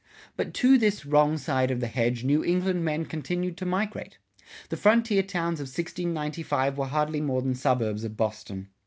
But to this "wrong side of the hedge" New England men continued to migrate. The frontier towns of 1695 were hardly more than suburbs of Boston.